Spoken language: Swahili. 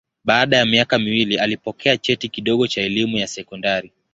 Baada ya miaka miwili alipokea cheti kidogo cha elimu ya sekondari.